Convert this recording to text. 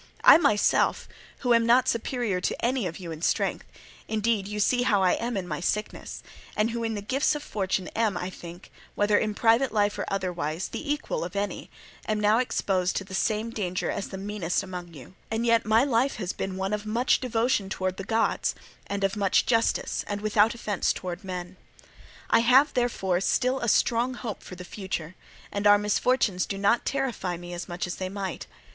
I myself who am not superior to any of you in strength—indeed you see how I am in my sickness—and who in the gifts of fortune am, I think, whether in private life or otherwise, the equal of any, am now exposed to the same danger as the meanest among you; and yet my life has been one of much devotion toward the gods, and of much justice and without offence toward men. I have, therefore, still a strong hope for the future, and our misfortunes do not terrify me as much as they might.